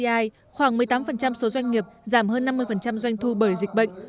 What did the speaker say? vì vậy khoảng một mươi tám số doanh nghiệp giảm hơn năm mươi doanh thu bởi dịch bệnh